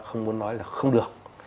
không muốn nói là không được